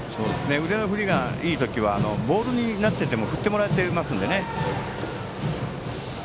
腕の振りがいい時はボールになっていても振ってもらっていますのでね。